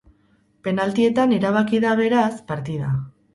Penaltietan erabaki da, beraz, partida.